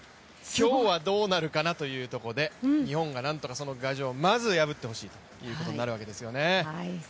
今日はどうなるかなというところで日本が何とかその牙城をまず破ってほしいということになるわけですよね。